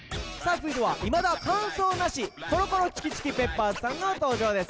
続いてはいまだ完奏なしコロコロチキチキペッパーズさんの登場です